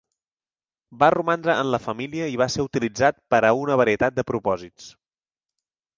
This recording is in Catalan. Va romandre en la família i va ser utilitzat per a una varietat de propòsits.